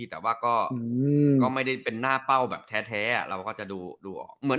แต่ว่าก็ไม่ได้เป็นหน้าเป้าแบบแท้เราก็จะดูออก